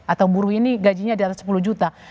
atau buruh ini gajinya di atas sepuluh juta